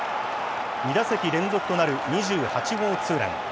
２打席連続となる２８号ツーラン。